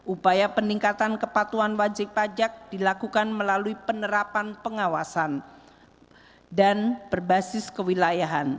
upaya peningkatan kepatuhan wajib pajak dilakukan melalui penerapan pengawasan dan berbasis kewilayahan